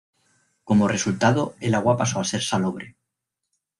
Como resultado, el agua pasó a ser salobre.